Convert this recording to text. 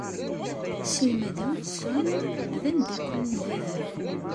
Aselmad Hudson d ameddakel n baba.